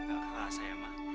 nggak kerasa ya mas